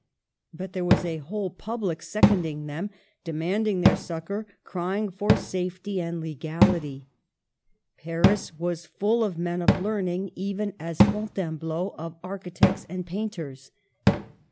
But there was a whole public second ing them, demanding their succor, crying for safety and legality. Paris was full of men of THE SORBONNE. 1 35 learning, even as Fontainebleau of architects and painters.